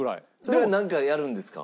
それはなんかやるんですか？